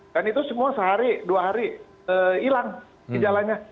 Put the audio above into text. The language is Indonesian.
dan itu semua sehari dua hari hilang gejalanya